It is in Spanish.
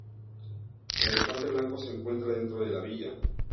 El Elefante Blanco se encuentra dentro de la villa.